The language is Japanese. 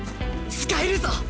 使えるぞ！